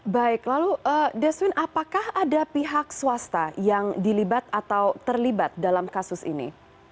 baik lalu deswin apakah ada pihak swasta yang dilibat atau terlibat dalam kasus ini